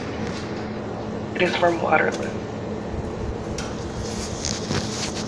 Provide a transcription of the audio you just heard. It is from Waterloo.